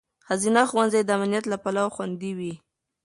ښځینه ښوونځي د امنیت له پلوه خوندي وي.